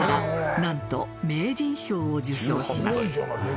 何と名人賞を受賞します